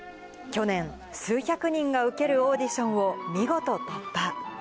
去年、数百人が受けるオーディションを見事突破。